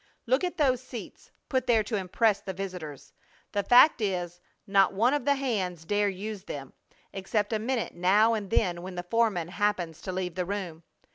Look at those seats, put there to impress the visitors! The fact is not one of the hands dare use them, except a minute now and then when the foreman happens to leave the room!